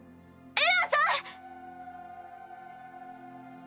エランさん！